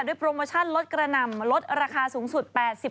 โปรโมชั่นลดกระหน่ำลดราคาสูงสุด๘๐บาท